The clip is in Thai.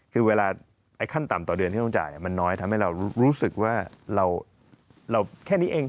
คือเวลาไอ้ขั้นต่ำต่อเดือนที่ต้องจ่ายมันน้อยทำให้เรารู้สึกว่าเราแค่นี้เอง